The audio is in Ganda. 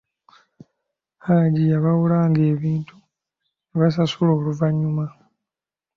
Hajji yabawolanga ebintu ne basasula oluvanyuma.